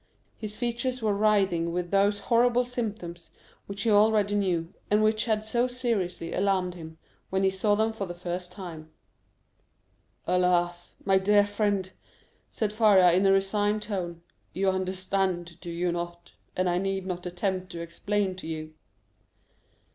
His features were writhing with those horrible symptoms which he already knew, and which had so seriously alarmed him when he saw them for the first time. "Alas, my dear friend," said Faria in a resigned tone, "you understand, do you not, and I need not attempt to explain to you?"